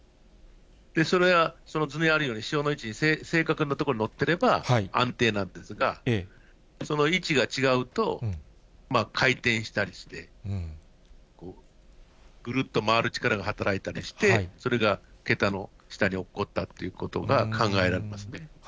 それは、図面にあるように、支承の位置に正確な所に載っていれば、安定なんですが、その位置が違うと、回転したりして、ぐるっと回る力が働いたりして、それが桁の下におっこったってことが考えられますね。